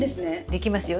できますよ。